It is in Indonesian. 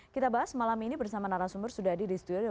kita bahas malam ini bersama narasumber sudadir di studio